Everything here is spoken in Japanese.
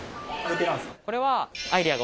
これは。